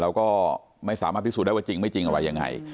เราก็ไม่สามารถพิสูจน์ได้ว่าจริงไม่จริงอะไรยังไง